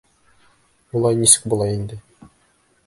Улай нисек була инде?